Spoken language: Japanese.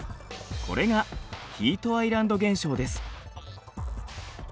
これがヒートアイランド現象です。